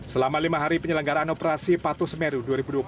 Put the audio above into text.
selama lima hari penyelenggaraan operasi patuh semeru dua ribu dua puluh satu